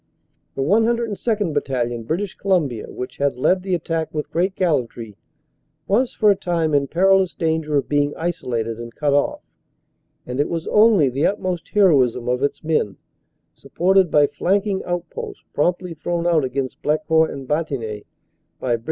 The 102nd. Battalion, British Colum bia, which had led the attack with great gallantry, was for a time in perilous danger of being isolated and cut off, and it was only the utmost heroism of its men, supported by flanking outposts promptly thrown out against Blecourt and Bantigny by Brig.